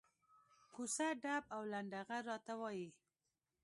کوڅه ډب او لنډه غر راته وایي.